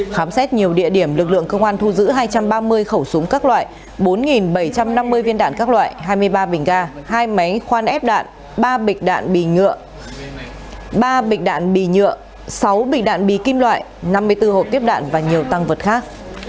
khám xét nhiều địa điểm lực lượng công an thu giữ hai trăm ba mươi khẩu súng các loại bốn bảy trăm năm mươi viên đạn các loại hai mươi ba bình ga hai máy khoan ép đạn ba bịch đạn bì ngựa ba bịch đạn bì nhựa sáu bịch đạn bì kim loại năm mươi bốn hộp tiếp đạn và nhiều tăng vật khác